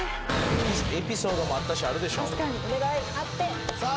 エピソードもあったしあるでしょさあ